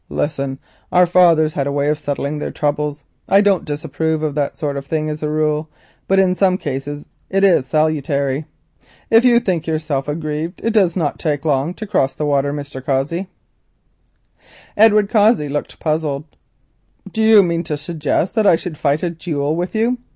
Listen, our fathers had a way of settling their troubles; I don't approve of that sort of thing as a rule, but in some cases it is salutary. If you think yourself aggrieved it does not take long to cross the water, Mr. Cossey." Edward Cossey looked puzzled. "Do you mean to suggest that I should fight a duel with you?"